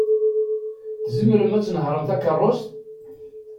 Tzemremt ad tnehṛemt takeṛṛust?